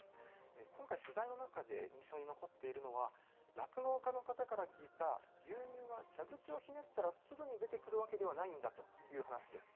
今回、取材の中で印象に残っているのは、酪農家の方から聞いた、牛乳は蛇口をひねったらすぐに出てくるわけではないんだという話です。